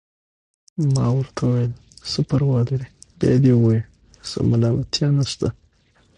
ما ورته وویل: څه پروا لري، بیا دې ووايي، څه ملامتیا نشته.